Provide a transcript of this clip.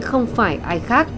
không phải ai khác